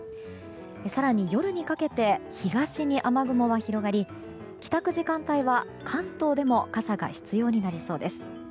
更に、夜にかけて東に雨雲は広がり帰宅時間帯は関東でも傘が必要になりそうです。